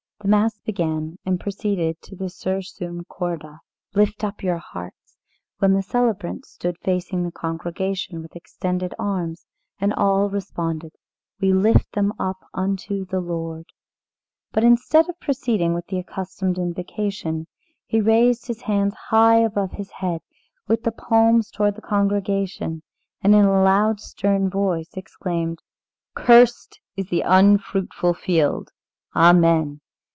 The Mass began, and proceeded to the "Sursum corda" "Lift up your hearts!" when the celebrant stood facing the congregation with extended arms, and all responded: "We lift them up unto the Lord." But then, instead of proceeding with the accustomed invocation, he raised his hands high above his head, with the palms towards the congregation, and in a loud, stern voice exclaimed "Cursed is the unfruitful field!" "Amen."